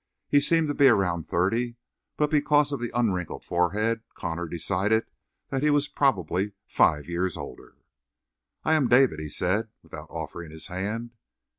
He seemed to be around thirty, but because of the unwrinkled forehead Connor decided that he was probably five years older. "I am David," he said, without offering his hand.